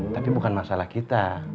tapi bukan masalah kita